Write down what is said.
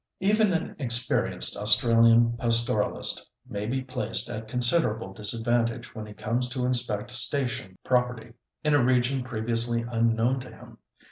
Even an experienced Australian pastoralist may be placed at considerable disadvantage when he comes to inspect station property in a region previously unknown to him.